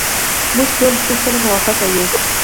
موږ ټول درسره موافق یو.